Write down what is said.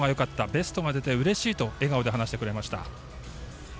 ベストが出てうれしいと笑顔で話していました。